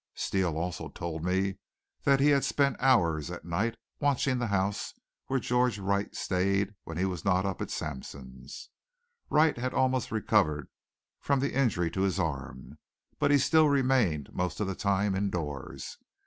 Steele also told me that he had spent hours at night watching the house where George Wright stayed when he was not up at Sampson's. Wright had almost recovered from the injury to his arm, but he still remained most of the time indoors.